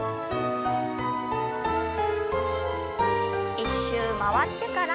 １周回ってから。